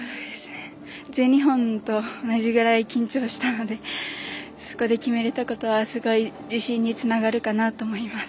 全日本と同じくらい緊張したのでそこで決めれたことはすごい自信につながるかなと思います。